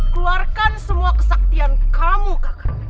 keluarkan semua kesaktian kamu kakak